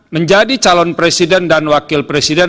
menjadi calon presiden dan wakil presiden